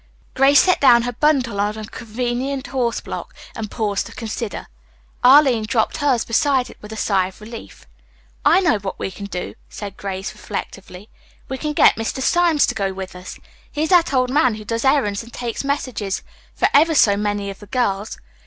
Grace set down her bundle on a convenient horse block and paused to consider. Arline dropped hers beside it with a sigh of relief. "I know what we can do," said Grace reflectively. "We can get Mr. Symes to go with us. He is that old man who does errands and takes messages for ever so many of the girls.